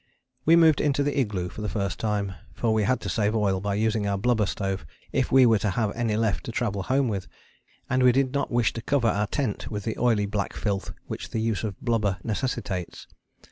We moved into the igloo for the first time, for we had to save oil by using our blubber stove if we were to have any left to travel home with, and we did not wish to cover our tent with the oily black filth which the use of blubber necessitates.